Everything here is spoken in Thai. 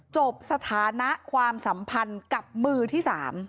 จบสถานะความสัมพันธ์กับมือที่๓